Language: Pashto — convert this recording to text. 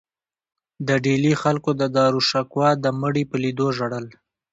د ډیلي خلکو د داراشکوه د مړي په لیدو ژړل.